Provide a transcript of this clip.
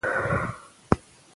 لوستې نجونې همکاري ساتي.